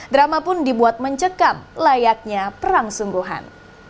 drama pun dibuat mencekam layaknya perang sungguhan